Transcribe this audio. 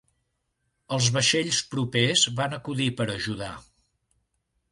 Els vaixells propers van acudir per ajudar.